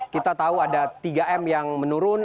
kita tahu ada tiga m yang menurun